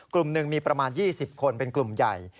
กลุ่มหนึ่งมีประมาณ๒๐คนเป็นกลุ่มใหญ่